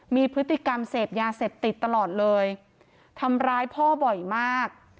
มีพฤติกรรมเสพยาเสพติดตลอดเลยทำร้ายพ่อบ่อยมาก